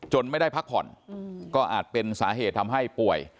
ไม่ได้พักผ่อนก็อาจเป็นสาเหตุทำให้ป่วย